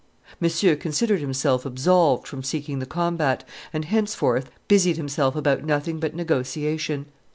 Monsieur considered himself absolved from seeking the combat, and henceforth busied himself about nothing but negotiation.